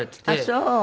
あっそう。